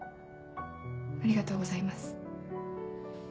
ありがとうございます。